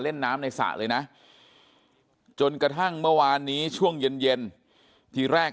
เล่นน้ำในสระเลยนะจนกระทั่งเมื่อวานนี้ช่วงเย็นทีแรก